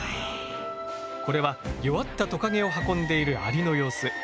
これは弱ったトカゲを運んでいるアリの様子。